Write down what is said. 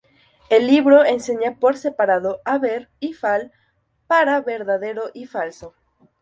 El libro enseña por separado a "Ver" y "Fal" para verdadero y falso.